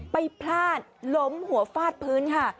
พลาดล้มหัวฟาดพื้นค่ะ